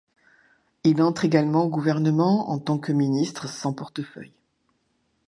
Il entre également au gouvernement en tant que ministre sans portefeuille.